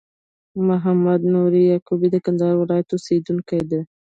محمد نور یعقوبی د کندهار ولایت اوسېدونکی دي